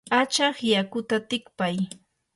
achaq yakuta tikpay.